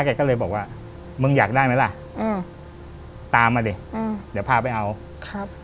แกก็เลยบอกว่ามึงอยากได้ไหมล่ะอืมตามมาดิอืมเดี๋ยวพาไปเอาครับ